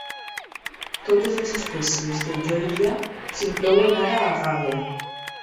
Totes les espècies de "Lloydia" s"inclouen ara a "Gagea".